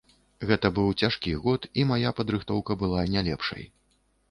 Гэта быў цяжкі год, і мая падрыхтоўка была не лепшай.